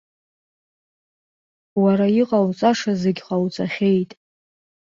Уара иҟауҵаша зегьы ҟауҵахьеит.